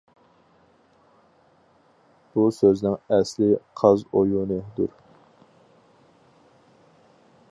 بۇ سۆزنىڭ ئەسلى «قاز ئويۇنى» دۇر.